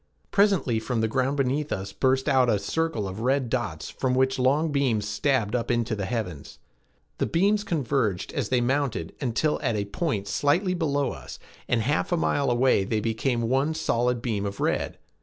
Presently from the ground beneath us burst out a circle of red dots from which long beams stabbed up into the heavens. The beams converged as they mounted until at a point slightly below us, and a half mile away they became one solid beam of red.